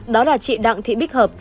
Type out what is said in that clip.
đó là chị đặng thị bích hợp